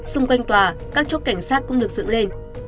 xung quanh tòa các chốt cảnh sát cũng được dựng lên